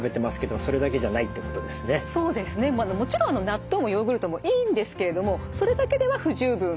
もちろん納豆もヨーグルトもいいんですけれどもそれだけでは不十分なんです。